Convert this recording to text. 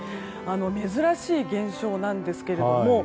珍しい現象なんですけれども。